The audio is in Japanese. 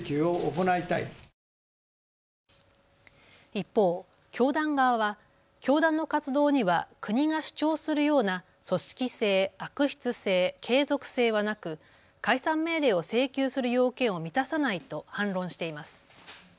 一方、教団側は教団の活動には国が主張するような組織性、悪質性、継続性はなく解散命令を請求する要件を満たさないと反論しています。